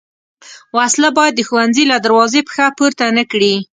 وسله باید د ښوونځي له دروازې پښه پورته نه کړي